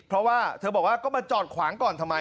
เพราะว่าเธอบอกว่าก็มาจอดขวางก่อนทำไม